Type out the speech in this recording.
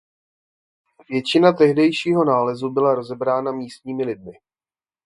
Většina tehdejšího nálezu byla rozebrána místními lidmi.